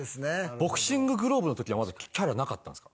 ボクシンググローブの時はまだキャラなかったんですか？